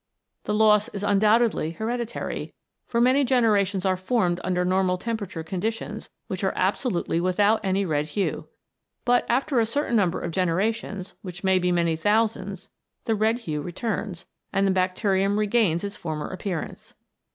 The loss is undoubtedly hereditary, for many generations are formed under normal temperature conditions which are absolutely without any red hue. But after a certain number of generations, which may be many thousands, the red hue returns, and the bacterium regains its former appearance.